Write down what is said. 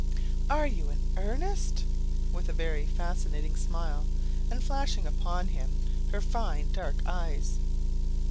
"Are you in earnest?" with a very fascinating smile, and flashing upon him her fine dark eyes.